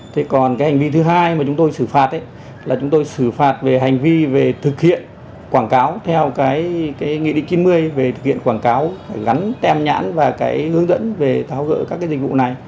thế còn cái hành vi thứ hai mà chúng tôi xử phạt ấy là chúng tôi xử phạt về hành vi về thực hiện quảng cáo theo cái nghị định chín mươi về thực hiện quảng cáo phải gắn tem nhãn và cái hướng dẫn về tháo gỡ các cái dịch vụ này